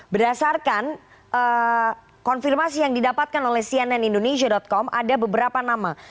berdasarkan konfirmasi yang didapatkan oleh cnn indonesia com ada beberapa nama